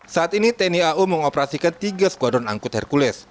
saat ini tni au mengoperasikan tiga skuadron angkut hercules